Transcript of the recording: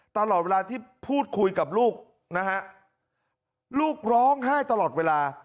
ตลอดเวลาที่พูดคุยกับลูกนะฮะลูกร้องไห้ตลอดเวลา